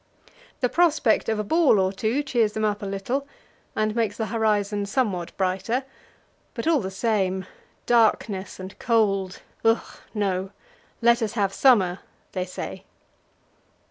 The prospect of a ball or two cheers them up a little, and makes the horizon somewhat brighter; but, all the same darkness and cold ugh, no! let us have summer, they say.